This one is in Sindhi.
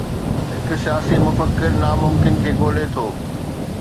هڪ سياسي مفڪر ناممڪن کي ڳولي ٿو.